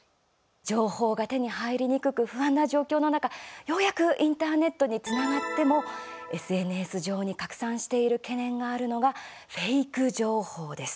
情報が手に入りにくく不安な状況の中、ようやくインターネットにつながってもＳＮＳ上に拡散している懸念があるのがフェーク情報です。